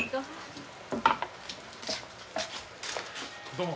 どうも。